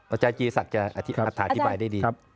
อาจารย์จีศักดิ์จะอัฐอธิบายได้ดี